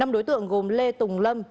năm đối tượng gồm lê tùng lâm